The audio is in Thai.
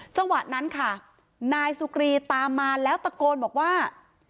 จังหวะนั้นค่ะนายสุกรีตามมาแล้วตะโกนบอกว่า